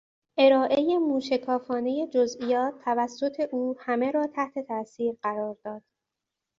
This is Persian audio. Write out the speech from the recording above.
ارائه موشکافانهی جزئیات توسط او همه را تحت تاثیر قرار داد.